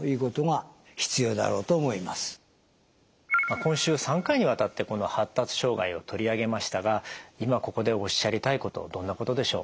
今週３回にわたってこの発達障害を取り上げましたが今ここでおっしゃりたいことどんなことでしょう。